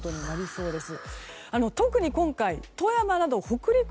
そうです。